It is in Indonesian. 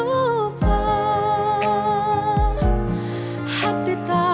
kau bisa berusaha